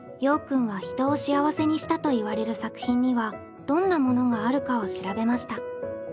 くんは人を幸せにしたといわれる作品にはどんなものがあるかを調べました。